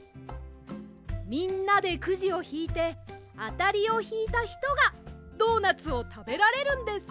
みんなでくじをひいてあたりをひいたひとがドーナツをたべられるんです。